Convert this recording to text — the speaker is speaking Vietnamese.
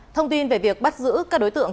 thông tin về việc bắt giữ các đối tượng